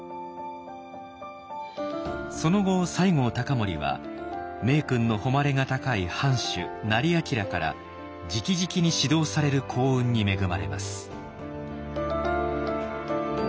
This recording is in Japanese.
その後西郷隆盛は名君の誉れが高い藩主斉彬からじきじきに指導される幸運に恵まれます。